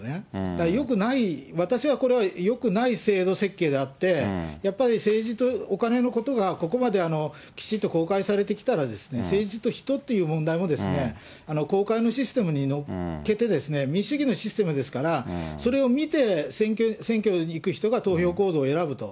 だからよくない、私はこれはよくない制度設計であって、やっぱり政治とお金のことがここまできちっと公開されてきたら、政治と人っていう問題も、公開のシステムに乗っけてですね、民主主義のシステムですから、それを見て、選挙に行く人が投票行動を選ぶと。